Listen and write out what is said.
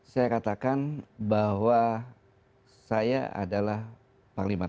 saya katakan bahwa saya adalah panglima tni